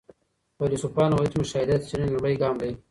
فيلسوفانو ويل چي مشاهده د څېړنې لومړی ګام دی.